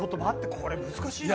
これ難しいな。